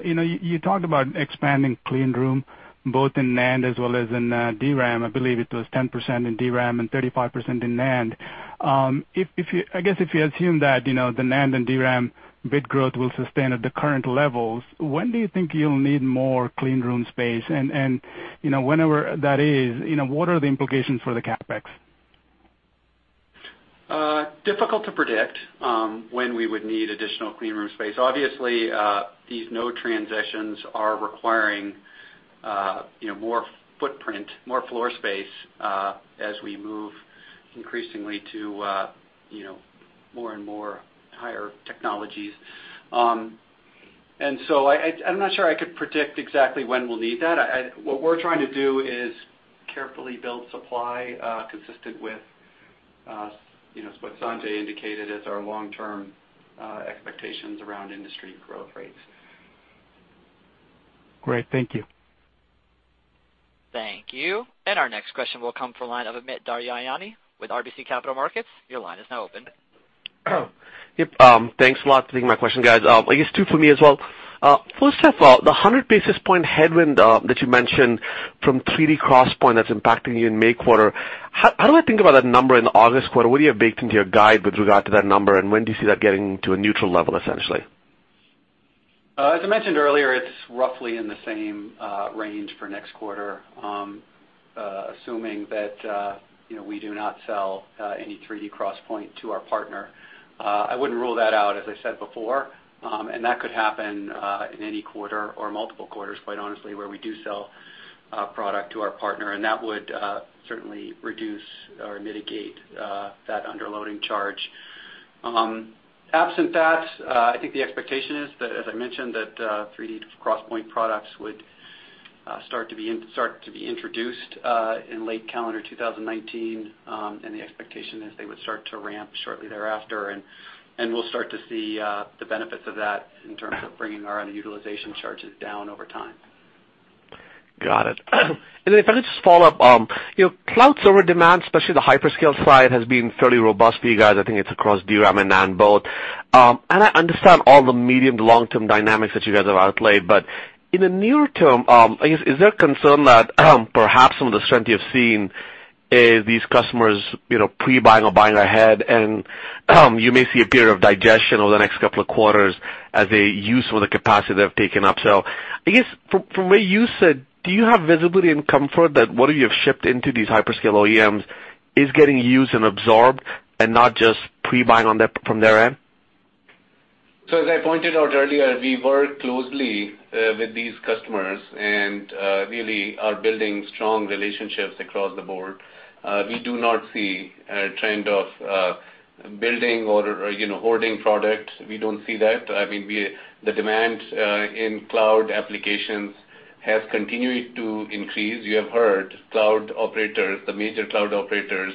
You talked about expanding clean room both in NAND as well as in DRAM. I believe it was 10% in DRAM and 35% in NAND. I guess if you assume that the NAND and DRAM bit growth will sustain at the current levels, when do you think you'll need more clean room space? Whenever that is, what are the implications for the CapEx? Difficult to predict when we would need additional clean room space. Obviously, these node transitions are requiring more footprint, more floor space, as we move increasingly to more and more higher technologies. I'm not sure I could predict exactly when we'll need that. What we're trying to do is carefully build supply, consistent with what Sanjay indicated as our long-term expectations around industry growth rates. Great. Thank you. Thank you. Our next question will come from the line of Amit Daryanani with RBC Capital Markets. Your line is now open. Yep. Thanks a lot for taking my question, guys. I guess two for me as well. First off, the 100 basis point headwind that you mentioned from 3D XPoint that's impacting you in May quarter, how do I think about that number in the August quarter? What do you have baked into your guide with regard to that number, and when do you see that getting to a neutral level, essentially? As I mentioned earlier, it's roughly in the same range for next quarter, assuming that we do not sell any 3D XPoint to our partner. I wouldn't rule that out, as I said before, and that could happen in any quarter or multiple quarters, quite honestly, where we do sell product to our partner, and that would certainly reduce or mitigate that under-loading charge. Absent that, I think the expectation is that, as I mentioned, that 3D XPoint products would start to be introduced in late calendar 2019, and the expectation is they would start to ramp shortly thereafter, and we'll start to see the benefits of that in terms of bringing our under-utilization charges down over time. Got it. If I could just follow up, cloud server demand, especially the hyperscale side, has been fairly robust for you guys. I think it's across DRAM and NAND both. I understand all the medium to long-term dynamics that you guys have outplayed, but in the near term, I guess, is there a concern that perhaps some of the strength you have seen is these customers pre-buying or buying ahead and you may see a period of digestion over the next couple of quarters as they use all the capacity they've taken up. I guess from where you sit, do you have visibility and comfort that what you have shipped into these hyperscale OEMs is getting used and absorbed and not just pre-buying on from their end? As I pointed out earlier, we work closely with these customers and really are building strong relationships across the board. We do not see a trend of building or hoarding product. We don't see that. The demand in cloud applications has continued to increase. You have heard cloud operators, the major cloud operators,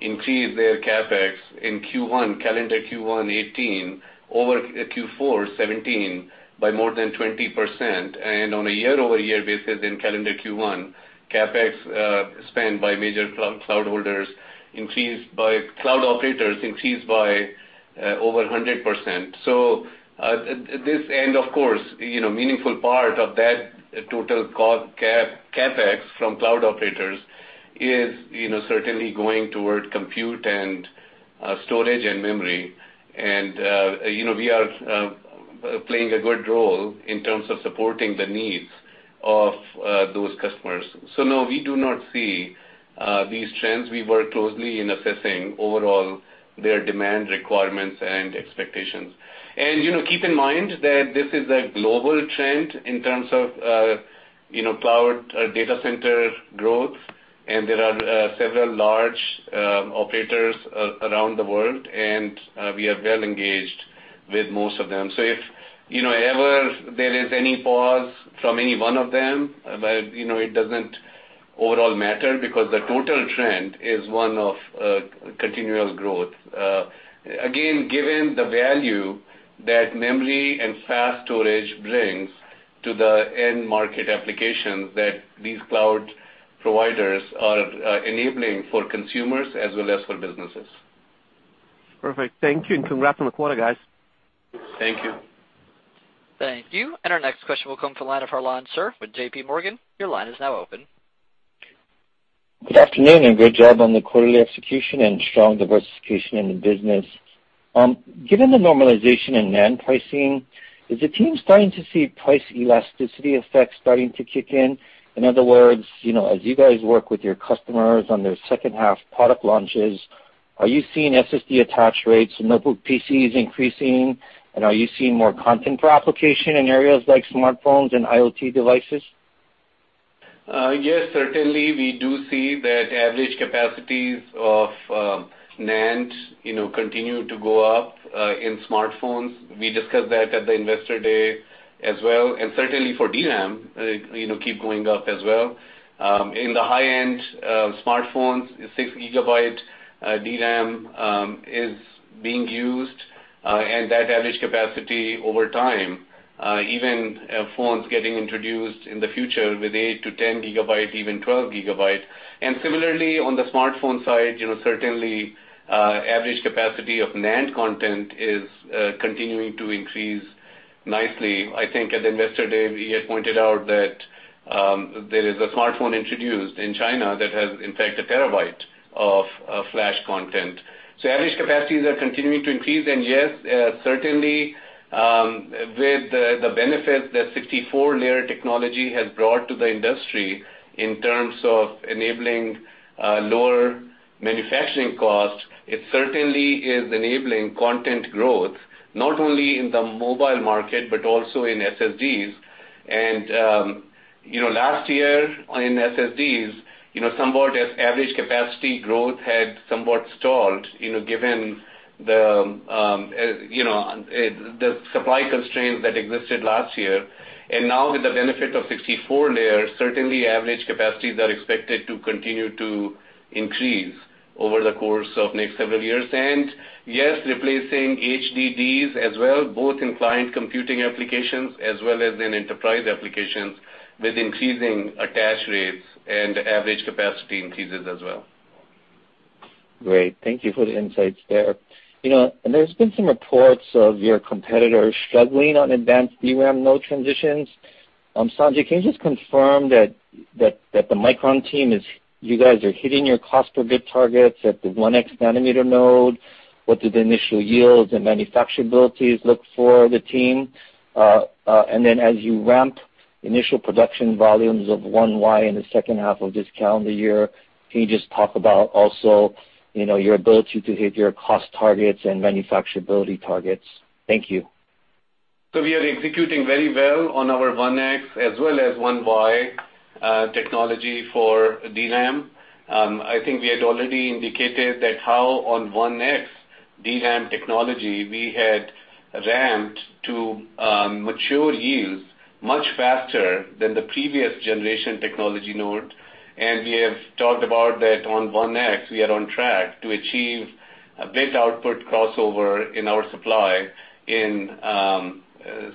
increase their CapEx in calendar Q1 2018 over Q4 2017 by more than 20%. On a year-over-year basis in calendar Q1, CapEx spent by major cloud operators increased by over 100%. Of course, meaningful part of that total CapEx from cloud operators is certainly going toward compute and storage and memory. We are playing a good role in terms of supporting the needs of those customers. No, we do not see these trends. We work closely in assessing overall their demand requirements and expectations. Keep in mind that this is a global trend in terms of cloud data center growth, there are several large operators around the world, we are well-engaged with most of them. If ever there is any pause from any one of them, it doesn't overall matter because the total trend is one of continual growth, again, given the value that memory and fast storage brings to the end market applications that these cloud providers are enabling for consumers as well as for businesses. Perfect. Thank you, congrats on the quarter, guys. Thank you. Thank you. Our next question will come from the line of Harlan Sur with JPMorgan. Your line is now open. Good afternoon, great job on the quarterly execution and strong diversification in the business. Given the normalization in NAND pricing, is the team starting to see price elasticity effects starting to kick in? In other words, as you guys work with your customers on their second half product launches, are you seeing SSD attach rates in notebook PCs increasing, are you seeing more content per application in areas like smartphones and IoT devices? Yes, certainly, we do see that average capacities of NAND continue to go up in smartphones. We discussed that at the investor day as well. Certainly for DRAM, keep going up as well. In the high-end smartphones, six gigabyte DRAM is being used, that average capacity over time, even phones getting introduced in the future with eight to 10 gigabytes, even 12 gigabytes. Similarly, on the smartphone side, certainly average capacity of NAND content is continuing to increase nicely. I think at the investor day, we had pointed out that there is a smartphone introduced in China that has, in fact, one terabyte of flash content. Average capacities are continuing to increase, yes, certainly, with the benefits that 64-layer technology has brought to the industry in terms of enabling lower manufacturing costs, it certainly is enabling content growth, not only in the mobile market, but also in SSDs. Last year in SSDs, somewhat as average capacity growth had somewhat stalled, given the supply constraints that existed last year. Now with the benefit of 64 layers, certainly average capacities are expected to continue to increase over the course of next several years. Yes, replacing HDDs as well, both in client computing applications as well as in enterprise applications, with increasing attach rates and average capacity increases as well. Great. Thank you for the insights there. There's been some reports of your competitors struggling on advanced DRAM node transitions. Sanjay, can you just confirm that the Micron team, you guys are hitting your cost per bit targets at the 1x nanometer node? What do the initial yields and manufacturabilities look for the team? Then as you ramp initial production volumes of 1Y in the second half of this calendar year, can you just talk about also your ability to hit your cost targets and manufacturability targets? Thank you. We are executing very well on our 1x as well as 1y technology for DRAM. I think we had already indicated that how on 1x DRAM technology, we had ramped to mature yields much faster than the previous generation technology node. We have talked about that on 1x, we are on track to achieve A bit output crossover in our supply in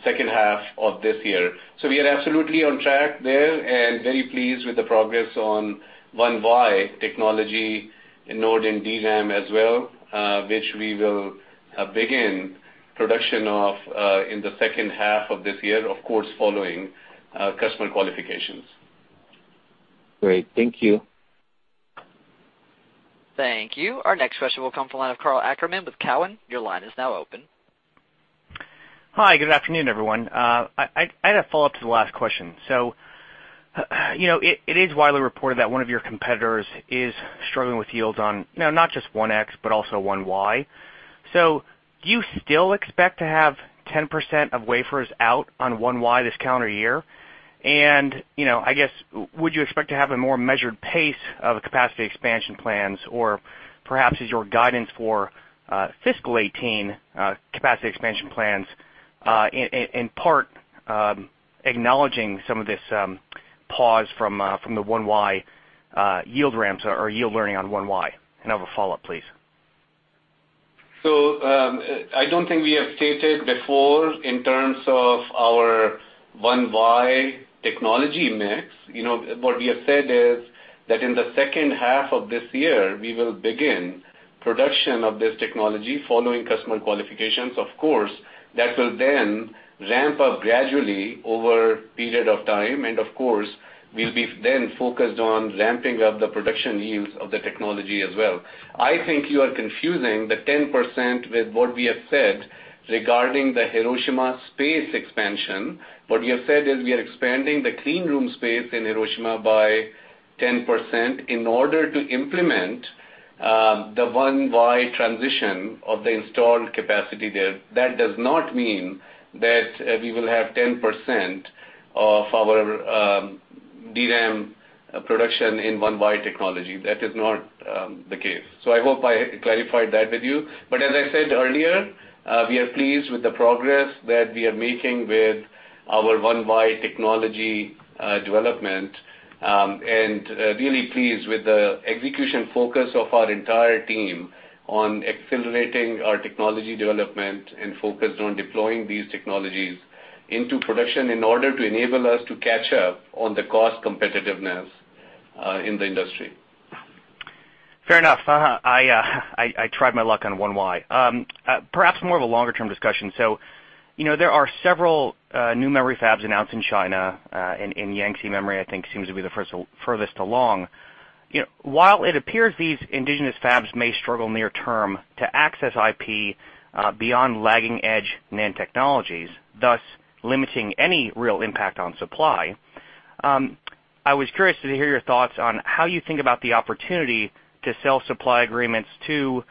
second half of this year. We are absolutely on track there and very pleased with the progress on 1y technology node in DRAM as well, which we will begin production of in the second half of this year, of course, following customer qualifications. Great. Thank you. Thank you. Our next question will come from the line of Karl Ackerman with Cowen. Your line is now open. Hi. Good afternoon, everyone. I had a follow-up to the last question. It is widely reported that one of your competitors is struggling with yields on, not just 1x, but also 1Y. Do you still expect to have 10% of wafers out on 1Y this calendar year? I guess, would you expect to have a more measured pace of the capacity expansion plans? Perhaps, is your guidance for fiscal 2018 capacity expansion plans, in part, acknowledging some of this pause from the 1Y yield ramps or yield learning on 1Y? I have a follow-up, please. I don't think we have stated before in terms of our 1y technology mix. What we have said is that in the second half of this year, we will begin production of this technology following customer qualifications, of course. That will then ramp up gradually over a period of time. Of course, we'll be then focused on ramping up the production yields of the technology as well. I think you are confusing the 10% with what we have said regarding the Hiroshima space expansion. What we have said is we are expanding the clean room space in Hiroshima by 10% in order to implement the 1Y transition of the installed capacity there. That does not mean that we will have 10% of our DRAM production in 1y technology. That is not the case. I hope I clarified that with you. As I said earlier, we are pleased with the progress that we are making with our 1y technology development, and really pleased with the execution focus of our entire team on accelerating our technology development and focused on deploying these technologies into production in order to enable us to catch up on the cost competitiveness in the industry. Fair enough. I tried my luck on 1Y. Perhaps more of a longer-term discussion. There are several new memory fabs announced in China, and Yangtze Memory, I think, seems to be the furthest along. While it appears these indigenous fabs may struggle near term to access IP beyond lagging edge NAND technologies, thus limiting any real impact on supply, I was curious to hear your thoughts on how you think about the opportunity to sell supply agreements to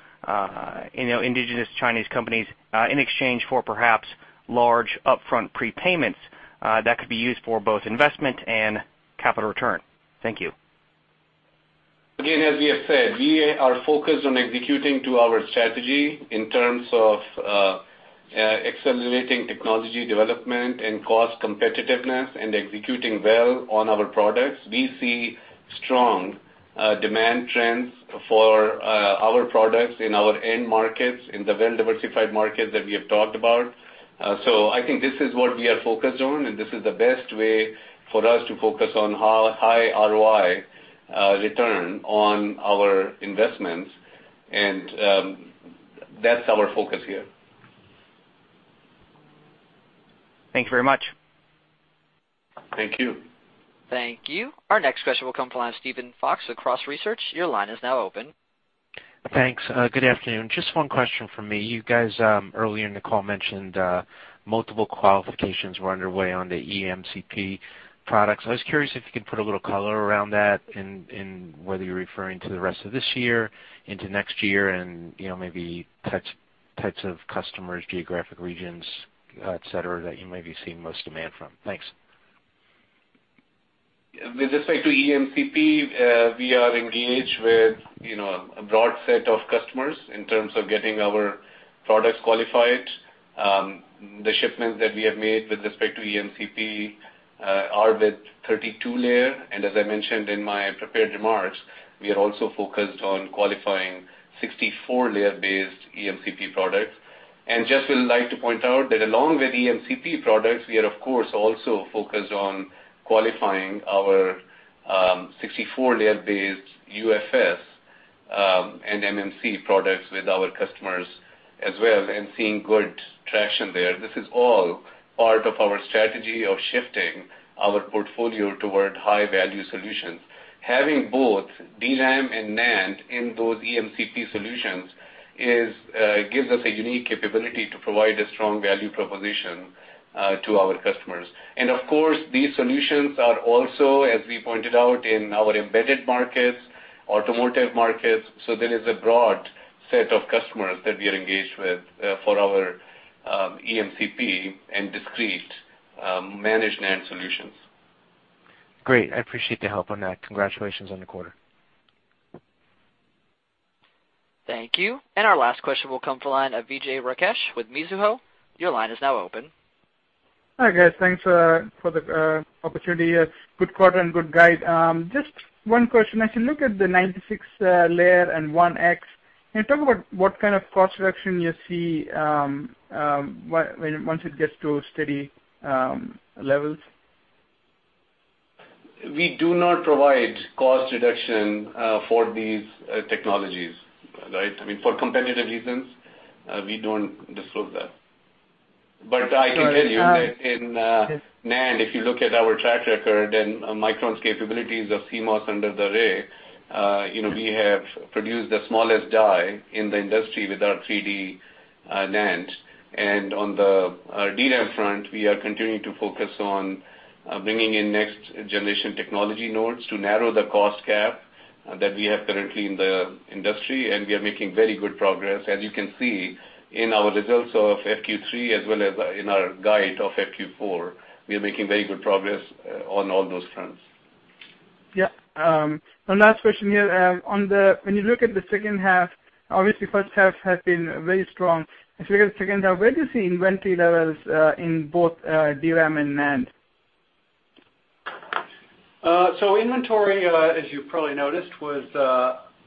indigenous Chinese companies, in exchange for perhaps large upfront prepayments that could be used for both investment and capital return. Thank you. Again, as we have said, we are focused on executing to our strategy in terms of accelerating technology development and cost competitiveness and executing well on our products. We see strong demand trends for our products in our end markets, in the well-diversified markets that we have talked about. I think this is what we are focused on, and this is the best way for us to focus on high ROI return on our investments, and that's our focus here. Thank you very much. Thank you. Thank you. Our next question will come the line of Steven Fox with Cross Research. Your line is now open. Thanks. Good afternoon. Just one question from me. You guys, earlier in the call, mentioned multiple qualifications were underway on the EMCP products. I was curious if you could put a little color around that, and whether you're referring to the rest of this year into next year, and maybe types of customers, geographic regions, et cetera, that you maybe see most demand from. Thanks. With respect to EMCP, we are engaged with a broad set of customers in terms of getting our products qualified. The shipments that we have made with respect to EMCP are with 32-layer. As I mentioned in my prepared remarks, we are also focused on qualifying 64-layer based EMCP products. Just would like to point out that along with EMCP products, we are of course also focused on qualifying our 64-layer based UFS and eMMC products with our customers as well, and seeing good traction there. This is all part of our strategy of shifting our portfolio toward high-value solutions. Having both DRAM and NAND in those EMCP solutions gives us a unique capability to provide a strong value proposition to our customers. Of course, these solutions are also, as we pointed out, in our embedded markets, automotive markets. There is a broad set of customers that we are engaged with for our EMCP and discrete managed NAND solutions. Great. I appreciate the help on that. Congratulations on the quarter. Thank you. Our last question will come the line of Vijay Rakesh with Mizuho. Your line is now open. Hi, guys. Thanks for the opportunity. Good quarter and good guide. Just one question. As you look at the 96-layer and 1x, can you talk about what kind of cost reduction you see once it gets to steady levels? We do not provide cost reduction for these technologies. Right. For competitive reasons, we don't disclose that. I can tell you in NAND, if you look at our track record and Micron's capabilities of CMOS under the array, we have produced the smallest die in the industry with our 3D NAND. On the DRAM front, we are continuing to focus on bringing in next generation technology nodes to narrow the cost gap that we have currently in the industry, we are making very good progress. As you can see in our results of FQ3 as well as in our guide of FQ4, we are making very good progress on all those fronts. Yeah. One last question here. When you look at the second half, obviously first half has been very strong. As we go to second half, where do you see inventory levels in both DRAM and NAND? Inventory, as you probably noticed, was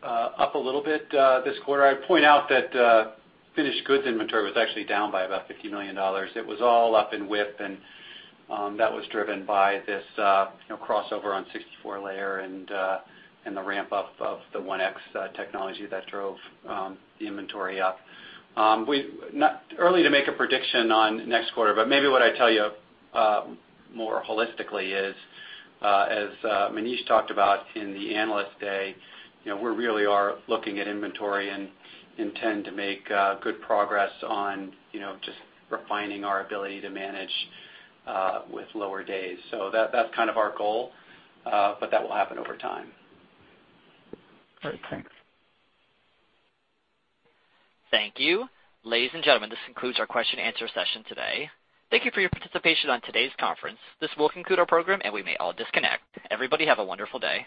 up a little bit this quarter. I'd point out that finished goods inventory was actually down by about $50 million. It was all up in WIP, that was driven by this crossover on 64-layer and the ramp-up of the 1x technology that drove the inventory up. Early to make a prediction on next quarter, maybe what I'd tell you more holistically is, as Manish talked about in the Analyst Day, we really are looking at inventory and intend to make good progress on just refining our ability to manage with lower days. That's kind of our goal, that will happen over time. All right. Thanks. Thank you. Ladies and gentlemen, this concludes our question and answer session today. Thank you for your participation on today's conference. This will conclude our program, and we may all disconnect. Everybody have a wonderful day.